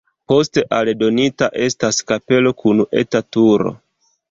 Poste aldonita estas kapelo kun eta turo.